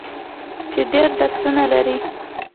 چې ډیر درسونه لري.